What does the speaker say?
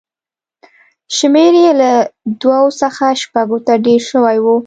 شمېر یې له دوو څخه شپږو ته ډېر شوی و.